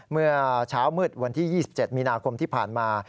เมื่อเช้ามืดวันที่๒๗มีนาคมที่ผ่านมา